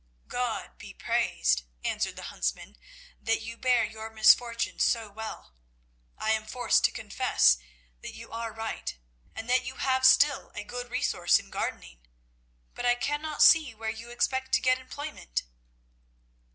"God be praised," answered the huntsman, "that you bear your misfortunes so well. I am forced to confess that you are right, and that you have still a good resource in gardening. But I cannot see where you expect to get employment."